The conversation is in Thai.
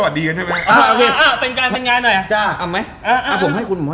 สวัสดีค่ะสวัสดีครับ